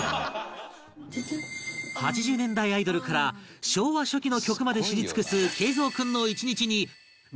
８０年代アイドルから昭和初期の曲まで知り尽くす桂三君の１日に密着すると